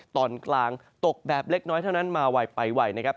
ตอนกลางตกแบบเล็กน้อยเท่านั้นมาไวไปไวนะครับ